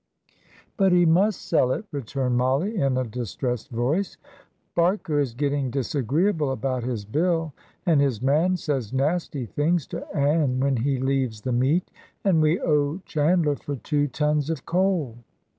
"But he must sell it," returned Mollie, in a distressed voice. "Barker is getting disagreeable about his bill, and his man says nasty things to Ann when he leaves the meat. And we owe Chandler for two tons of coal."